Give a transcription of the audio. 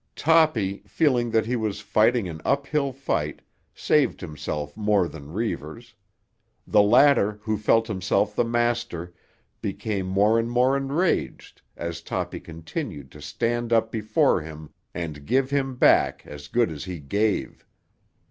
Toppy, feeling that he was fighting an uphill fight, saved himself more than Reivers. The latter, who felt himself the master, became more and more enraged as Toppy continued to stand up before him and give him back as good as he gave.